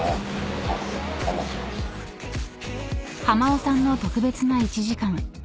［濱尾さんの特別な１時間］